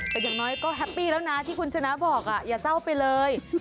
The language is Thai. แต่อย่างน้อยก็แฮปปี้แล้วนะที่คุณชนะบอกอย่าเศร้าไปเลย